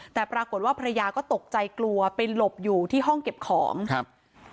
แต่ปรากฏว่าภรรยาก็ตกใจกลัวไปหลบอยู่ที่ห้องเก็บของครับ